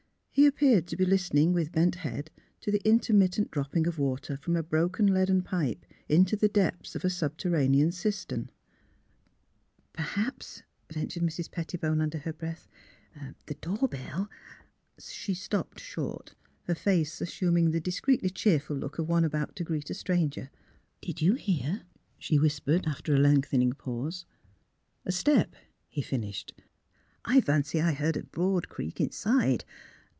He appeared to be listening with bent head to the intermittent dropping of water from a broken leader pipe into the depths of a subterranean cis tern. '' Perhaps," ventured Mrs. Pettibone, under her breath, '' the door bell " She stopped short, her face assuming the dis creetly cheerful look of one about to greet a stranger. 52 THE HEART OF PHILURA " Did you hear " she whispered, after a lengthening panse. '' A step I " he finished. ^' I fancied I heard a board creak inside.